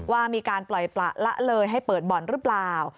ว่ามีการปล่อยปละละเลยให้เปิดบ่อนหรือเปล่า